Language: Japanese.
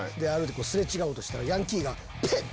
擦れ違おうとしたらヤンキーがペッ！